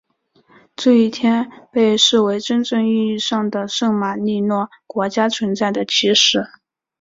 这一天被视为真正意义上的圣马力诺国家存在的起始。